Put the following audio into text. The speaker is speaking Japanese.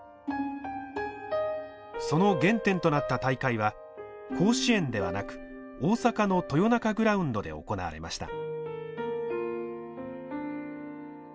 その原点となった大会は甲子園ではなく大阪の豊中グラウンドで行われました。